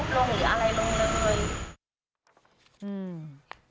ก็จะแบบน้องไม่ได้สูบลงหรืออะไรลงเลย